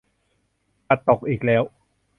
ปัดตกอีกแล้ว !